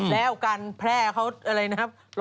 แล้วการแพร่เขาอะไรนะครับ